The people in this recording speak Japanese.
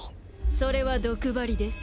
それは毒針です。